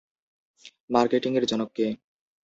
মার্কেটিংয়ের জনক কে?